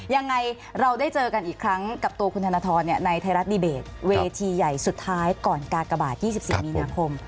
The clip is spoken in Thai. ยังไงเราได้เจอกันอีกครั้งกับตัวคุณธนทรในไทยรัฐดีเบตเวทีใหญ่สุดท้ายก่อนกากบาท๒๔มีนาคม